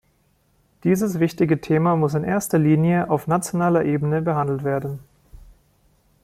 Dieses wichtige Thema muss in erster Linie auf nationaler Ebene behandelt werden.